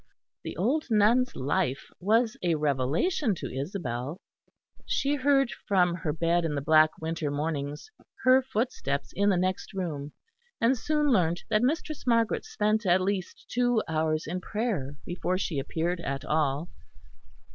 The old nun's life was a revelation to Isabel; she heard from her bed in the black winter mornings her footsteps in the next room, and soon learnt that Mistress Margaret spent at least two hours in prayer before she appeared at all.